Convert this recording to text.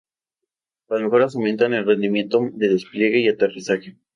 Las mejoras aumentan el rendimiento de despegue y aterrizaje.